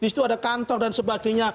disitu ada kantor dan sebagainya